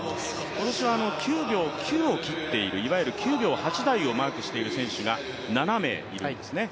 今年は９秒９を切っている、いわゆる９秒８台をマークしている選手が７名いるんですね。